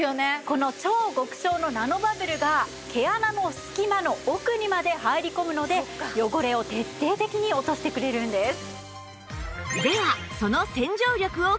この超極小のナノバブルが毛穴の隙間の奥にまで入り込むので汚れを徹底的に落としてくれるんです。